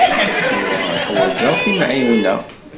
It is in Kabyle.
Tura i ḥwaǧeɣ timεiwna.